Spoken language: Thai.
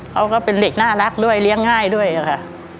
ก็เป็นเด็กน่ารักด้วยเลี้ยงง่ายด้วยค่ะ